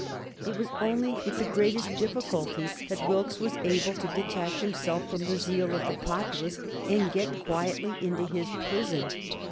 It was only with the greatest difficulty that Wilkes was able to detach himself from the zeal of the populace and get quietly into his prison.